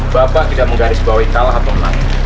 bapak tidak menggarisbawahi kalah atau menang